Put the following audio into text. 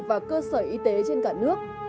và cơ sở y tế trên cả nước